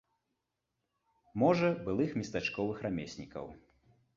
Можа, былых местачковых рамеснікаў.